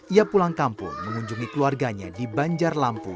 ia pulang kampung mengunjungi keluarganya di banjar lampu